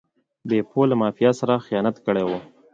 بیپو له مافیا سره خیانت کړی و.